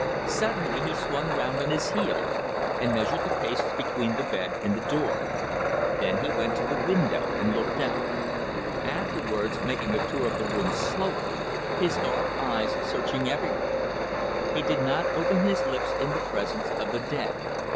Suddenly he swung round on his heel, and measured the paces between the bed and the door. Then he went to the window and looked out; afterwards making a tour of the room slowly, his dark eyes searching everywhere. He did not open his lips in the presence of the dead.